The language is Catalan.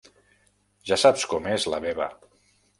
Ja saps com és la Veva.